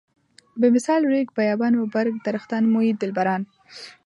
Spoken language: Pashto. بمثال ريګ بيابان و برګ درختان موی دلبران.